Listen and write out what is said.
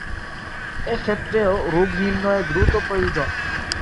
এ ক্ষেত্রেও রোগ নির্ণয়ে দ্রুত প্রয়োজন।